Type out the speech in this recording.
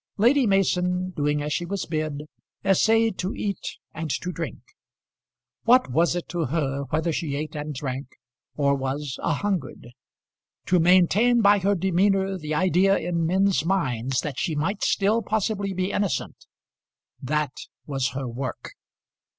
Lady Mason, doing as she was bid, essayed to eat and to drink. What was it to her whether she ate and drank or was a hungered? To maintain by her demeanour the idea in men's minds that she might still possibly be innocent that was her work.